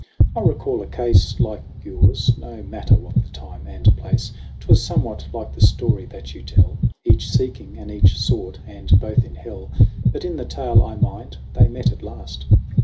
"I recall a case Like yours no matter what the time and place 'Twas somewhat like the story that you tell ; Each seeking and each sought, and both in hell; But in the tale I mind, they met at last."